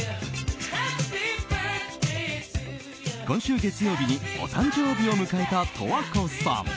今週月曜日にお誕生日を迎えた十和子さん。